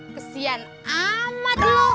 kesian amat lo